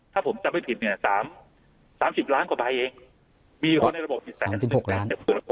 ถ้าผมจำไปผิดเนี่ยสามสามสิบล้านกว่าไปเองสามสิบหกล้าน